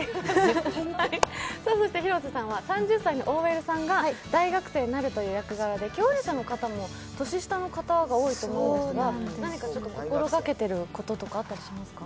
そして広瀬さんは３０歳のＯＬさんが大学生になるということで共演者の方も年下の方が多いと思いますが、心がけていることはありますか？